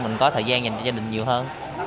mình có thời gian dành cho gia đình nhiều hơn